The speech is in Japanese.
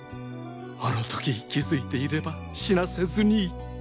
あの時気付いていれば死なせずに。